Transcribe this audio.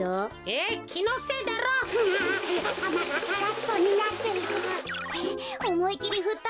えっ？